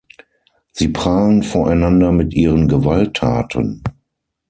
Sie prahlen voreinander mit ihren Gewalttaten.